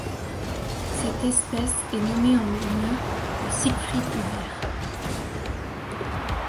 Cette espèce est nommée en l'honneur de Siegfried Huber.